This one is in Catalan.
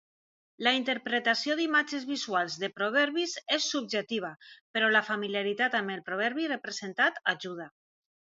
La interpretació d'imatges visuals de proverbis és subjectiva, però la familiaritat amb el proverbi representat ajuda.